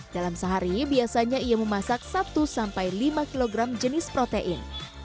dalam sehari biasanya ia memasak satu sampai lima kg jenis protein